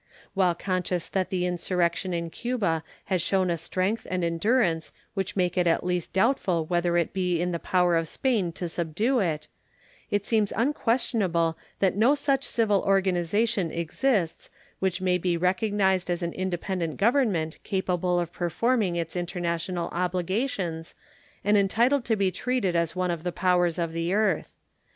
While conscious that the insurrection in Cuba has shown a strength and endurance which make it at least doubtful whether it be in the power of Spain to subdue it, it seems unquestionable that no such civil organization exists which may be recognized as an independent government capable of performing its international obligations and entitled to be treated as one of the powers of the earth.